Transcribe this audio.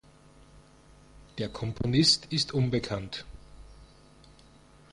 Der Komponist ist unbekannt.